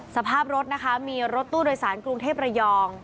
สภาพรถนะคะมีรถตู้โดยสารกรุงเทพระยอง